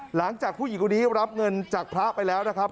หลังจากผู้หญิงคนนี้รับเงินจากพระไปแล้วนะครับ